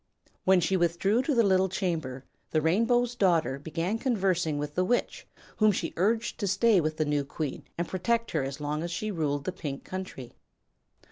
When she withdrew to the little chamber the Rainbow's Daughter began conversing with the Witch, whom she urged to stay with the new queen and protect her as long as she ruled the Pink Country.